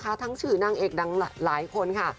ทั้งชื่อนางเอกดังหลายคนค่ะ